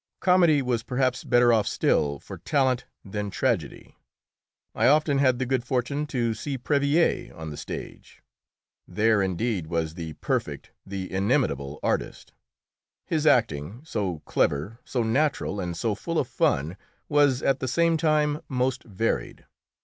Comedy was perhaps better off still for talent than tragedy. I often had the good fortune to see Préville on the stage. There, indeed, was the perfect, the inimitable artist! His acting, so clever, so natural, and so full of fun, was at the same time most varied.